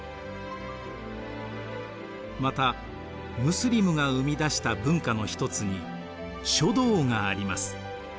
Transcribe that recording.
またムスリムが生み出した文化の一つに書道があります。